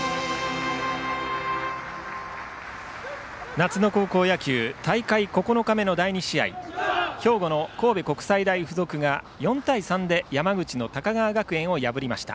夏の高校野球大会９日目の第２試合兵庫の神戸国際大付属が４対３で山口の高川学園を破りました。